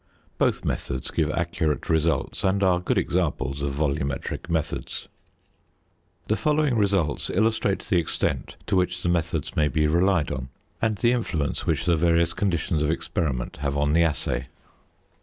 Both methods give accurate results and are good examples of volumetric methods. The following results illustrate the extent to which the methods may be relied on; and the influence which the various conditions of experiment have on the assay.